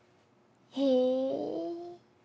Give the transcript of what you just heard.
へえ。